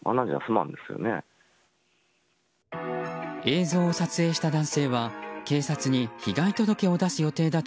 映像を撮影した男性は警察に被害届を出す予定だ